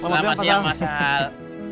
selamat siang mas al